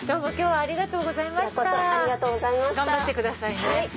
ありがとうございます。